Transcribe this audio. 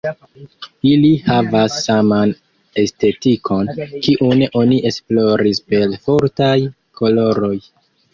Ili havas saman estetikon, kiun oni esploris per fortaj koloroj.